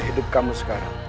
hidup kamu sekarang